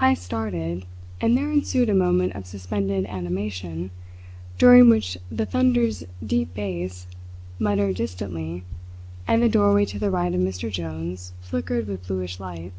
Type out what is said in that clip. Heyst started, and there ensued a moment of suspended animation, during which the thunder's deep bass muttered distantly and the doorway to the right of Mr. Jones flickered with bluish light.